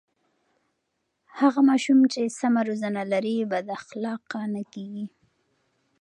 هغه ماشوم چې سمه روزنه لري بد اخلاقه نه کېږي.